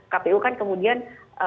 kpu kan kemudian